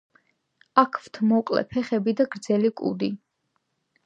აქვთ მოკლე ფეხები და გრძელი კუდი.